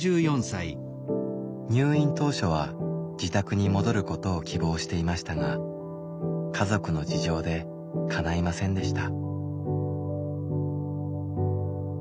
入院当初は自宅に戻ることを希望していましたが家族の事情でかないませんでした。